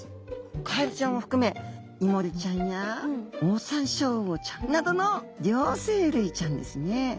カエルちゃんを含めイモリちゃんやオオサンショウウオちゃんなどの両生類ちゃんですね。